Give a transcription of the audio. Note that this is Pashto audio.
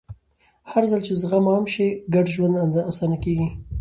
هرځل چې زغم عام شي، ګډ ژوند اسانه کېږي.